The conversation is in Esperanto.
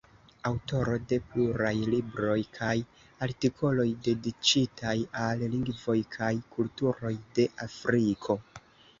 Aŭtoro de pluraj libroj kaj artikoloj dediĉitaj al lingvoj kaj kulturoj de Afriko.